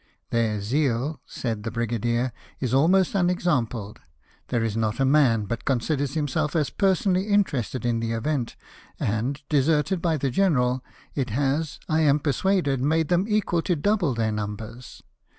"Their zeal," said the brigadier, "is almost unexampled. There is not a man but 70 LIFE OF NELSON. considers himself as personally interested in the event ; and, deserted by the general, it has, I am persuaded, made them equal to double their num bers."